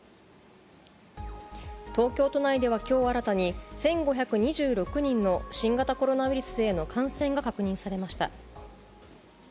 東京都内では今日新たに１５２６人の新型コロナウイルスへの感染が確認されました。